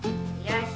よし。